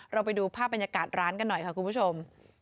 ไปดูภาพบรรยากาศร้านกันหน่อยค่ะคุณผู้ชม